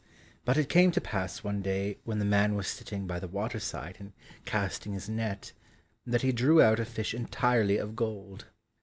But it came to pass one day when the man was sitting by the water side, and casting his net, that he drew out a fish entirely of gold.